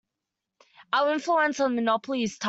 Our influence on their monopoly is tiny.